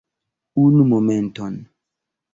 Unu momenton